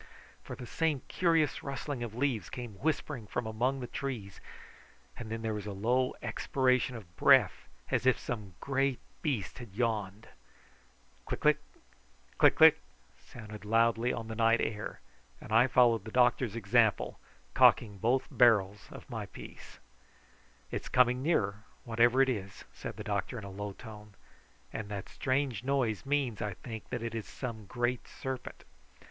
For the same curious rustling of leaves came whispering from among the trees, and then there was a low expiration of breath, as if some great beast had yawned. Click click, click click sounded loudly on the night air, and I followed the doctor's example, cocking both barrels of my piece. "It's coming nearer, whatever it is," said the doctor in a low tone, "and that strange noise means, I think, that it is some great serpent."